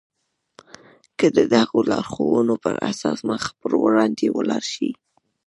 که د دغو لارښوونو پر اساس مخ پر وړاندې ولاړ شئ.